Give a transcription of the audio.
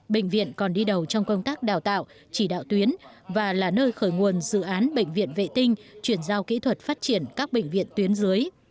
bệnh viện còn đi đầu trong công tác đào tạo chỉ đạo tuyến và là nơi khởi nguồn dự án bệnh viện vệ tinh chuyển giao kỹ thuật phát triển các bệnh viện tuyến dưới